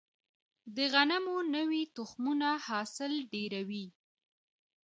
د غنمو نوي تخمونه حاصل ډیروي.